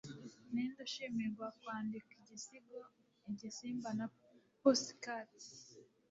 Ninde Ushimirwa Kwandika Igisigo Igisimba na Pussycat